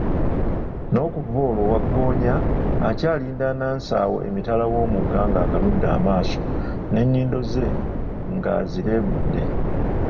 N'okuva olwo, wagggoonya akyalinda Anansi awo emitala w'omugga ng'akanudde amaaso n'ennyindo ze ng'azireegudde.